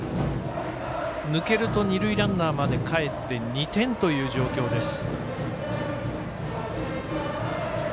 抜けると二塁ランナーまでかえって２点という状況です。